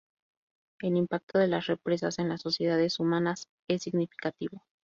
El impacto de las represas en las sociedades humanas es significativo.